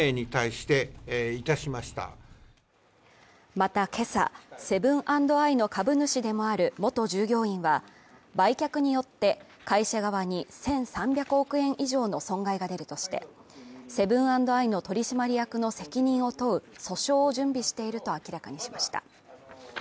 また今朝、セブン＆アイの株主でもある元従業員は売却によって、会社側に１３００億円以上の損害が出るとして、セブン＆アイの取締役の責任を問う訴訟を準備していると明らかにしました。